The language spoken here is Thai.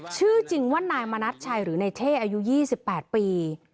ชื่อจริงว่านายมณัชชัยหรือนายเท่อายุ๒๘ปี